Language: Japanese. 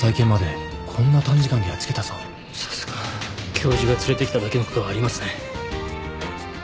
教授が連れてきただけのことはありますね。